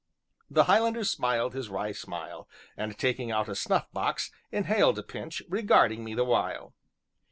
The Highlander smiled his wry smile, and taking out a snuff box, inhaled a pinch, regarding me the while.